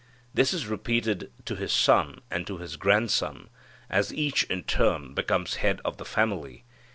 This is repeated to his son and to his grandson, as each in turn becomes head of the family.